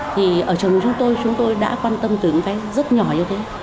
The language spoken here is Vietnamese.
thì ở trường chúng tôi chúng tôi đã quan tâm từ những cái rất nhỏ như thế